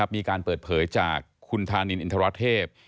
มีการเปิดเผยจากคุณธานินอินทรเทพ